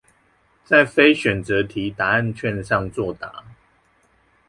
在非選擇題答案卷上作答